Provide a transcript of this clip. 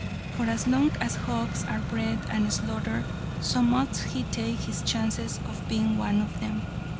For as long as hogs are bred and slaughtered, so must he take his chances of being one of them.